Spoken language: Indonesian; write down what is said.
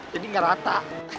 jadi gak rata